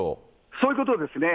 そういうことですね。